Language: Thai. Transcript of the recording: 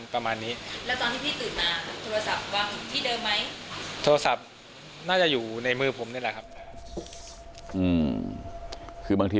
ประมาณนี้